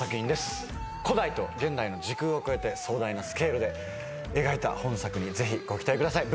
古代と現代の時空を超えて壮大なスケールで描いた本作にぜひご期待ください。